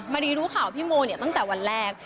ดีรู้ข่าวพี่โมเนี่ยตั้งแต่วันแรก